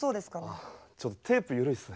ああちょっとテープ緩いっすね。